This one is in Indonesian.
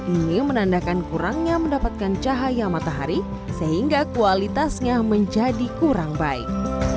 ini menandakan kurangnya mendapatkan cahaya matahari sehingga kualitasnya menjadi kurang baik